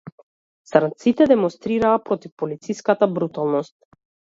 Црнците демонстрираа против полициската бруталност.